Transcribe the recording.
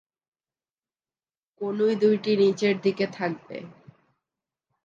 কনুই দুইটি নিচের দিকে থাকবে।